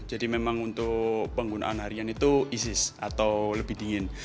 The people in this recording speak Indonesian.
memang untuk penggunaan harian itu isis atau lebih dingin